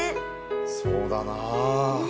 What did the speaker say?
そうだなぁ。